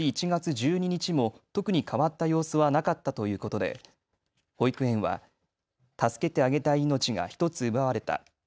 １月１２日も特に変わった様子はなかったということで、保育園は助けてあげたい命が１つ奪われた。